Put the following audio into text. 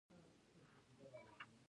تودوخه د افغانستان د بشري فرهنګ برخه ده.